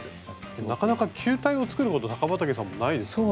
なかなか球体を作ること高畠さんもないですよね？